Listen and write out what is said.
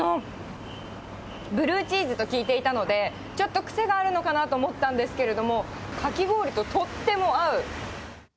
ブルーチーズと聞いていたので、ちょっと癖があるのかなと思ったんですけれども、かき氷ととっても合う。